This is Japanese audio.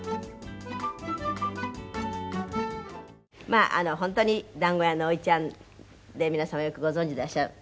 まあ本当に団子屋のおいちゃんで皆さんはよくご存じでいらっしゃる。